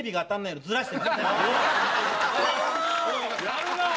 やるなあ！